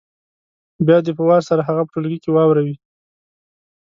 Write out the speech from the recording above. بیا دې په وار سره هغه په ټولګي کې واوروي